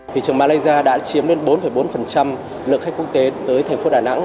thị trường malaysia đã chiếm lên bốn bốn lượng khách quốc tế tới thành phố đà nẵng